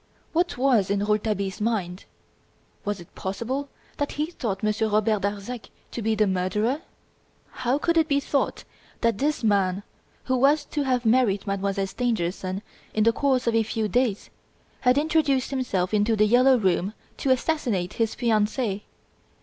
What was in Rouletabille's mind? Was it possible that he thought Monsieur Robert Darzac to be the murderer? How could it be thought that this man, who was to have married Mademoiselle Stangerson in the course of a few days, had introduced himself into "The Yellow Room" to assassinate his fiancee?